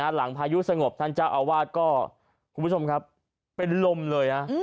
หลังพายุสงบท่านเจ้าอาวาสก็คุณผู้ชมครับเป็นลมเลยนะ